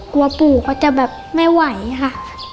ปู่เขาจะแบบไม่ไหวค่ะ